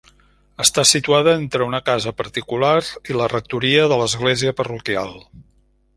Està situada entre una casa particular i la rectoria de l'església parroquial.